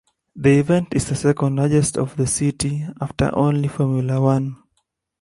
The event is the second largest of the city, after only Formula One.